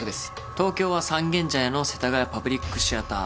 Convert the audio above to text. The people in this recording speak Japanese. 東京は三軒茶屋の世田谷パブリックシアター